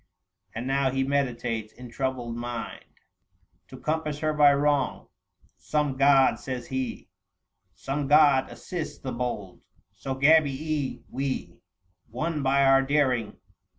835 And now he meditates in troubled mind To compass her by wrong. " Some god," says he, " Some god assists the bold. So Gabii we Won by our daring."